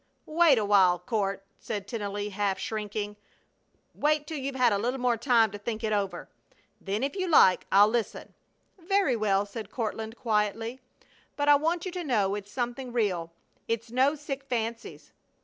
"Wait awhile, Court," said Tennelly, half shrinking. "Wait till you've had a little more time to think it over. Then if you like I'll listen." "Very well," said Courtland, quietly. "But I want you to know it's something real. It's no sick fancies."